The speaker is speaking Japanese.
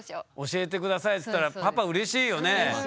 「教えて下さい」っつったらパパうれしいよね。